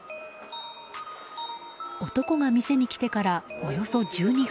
男が店に来てからおよそ１２分。